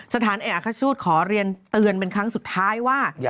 สถานเอกอัคชูตขอเรียนเตือนเป็นครั้งสุดท้ายว่า